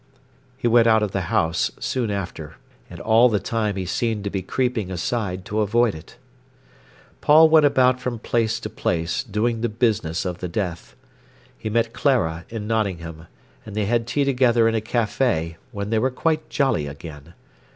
He went out of the house soon after. And all the time he seemed to be creeping aside to avoid it. Paul went about from place to place, doing the business of the death. He met Clara in Nottingham, and they had tea together in a café, when they were quite jolly again.